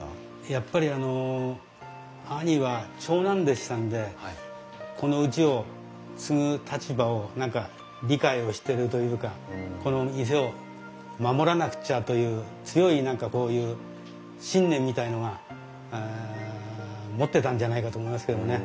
やっぱり兄は長男でしたんでこのうちを継ぐ立場を何か理解をしてるというかこの店を守らなくちゃという強い何かこういう信念みたいのが持ってたんじゃないかと思いますけどもね。